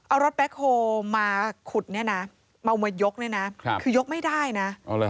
เอารถแบ็คโฮลมาขุดเนี่ยนะเอามายกเนี่ยนะคือยกไม่ได้นะ